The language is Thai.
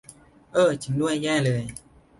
เอ้อ จริงด้วย แย่เลย